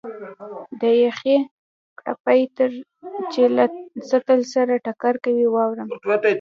د یخې کړپی چې له سطل سره ټکر کوي، واورم.